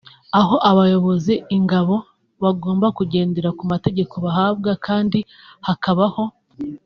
aho abayobora ingabo bagomba kugendera ku mategeko bahabwa kandi hakabaho